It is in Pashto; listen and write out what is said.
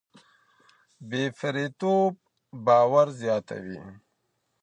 بې پرېتوب باور زياتوي.